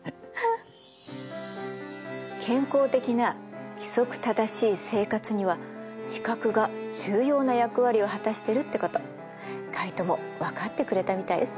健康的な規則正しい生活には視覚が重要な役割を果たしてるってことカイトも分かってくれたみたいです。